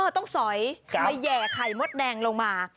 สอยมาแห่ไข่มดแดงลงมา